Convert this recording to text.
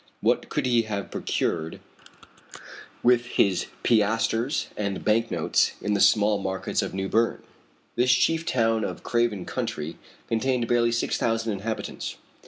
What could he have procured with his piastres and bank notes in the small markets of New Berne? This chief town of Craven County contained barely six thousand inhabitants.